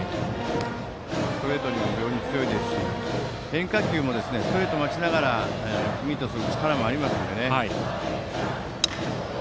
ストレートには非常に強いですし変化球もストレートを待ちながらミートする力もありますからね。